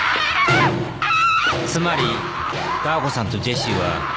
つまりダー子さんとジェシーは。